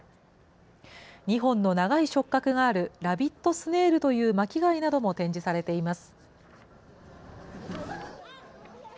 ２本の長い触角があるラビットスネールという巻き貝なども展示されています。